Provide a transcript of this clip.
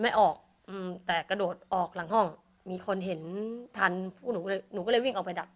ไม่ออกอืมแต่กระโดดออกหลังห้องมีคนเห็นทันพวกหนูเลยหนูก็เลยวิ่งออกไปดัก